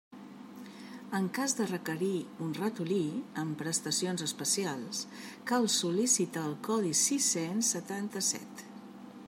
En cas de requerir un ratolí amb prestacions especials cal sol·licitar el codi sis-cents setanta-set.